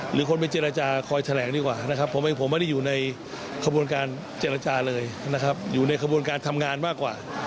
หรือคนไปเจรจาคอยแถลงดีกว่านะครับผมเองผมไม่ได้อยู่ในขบวนการเจรจาเลยนะครับอยู่ในขบวนการทำงานมากกว่า